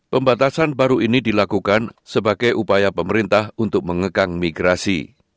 pembatasan baru ini dilakukan sebagai upaya pemerintah untuk mengekang migrasi